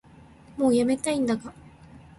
もうやめたいんだが